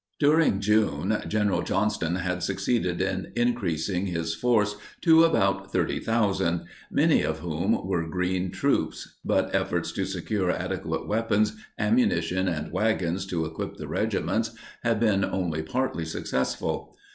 _] During June, General Johnston had succeeded in increasing his force to about 30,000, many of whom were green troops, but efforts to secure adequate weapons, ammunition and wagons to equip the regiments had been only partly successful.